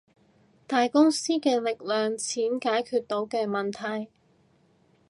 大公司嘅力量，錢解決到嘅問題